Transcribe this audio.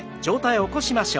起こしましょう。